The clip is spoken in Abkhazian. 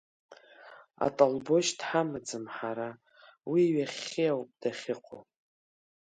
Аталбошь дҳамаӡам ҳара, уи ҩахьхьи ауп дахьыҟоу.